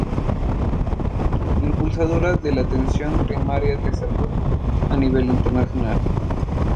Impulsora de la Atención Primaria de Salud a nivel internacional.